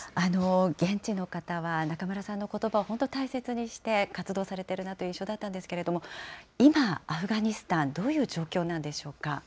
現地の方は、中村さんのことばを本当に大切にして活動されてるなという印象だったんですけれども、今、アフガニスタン、どういう状況なんでし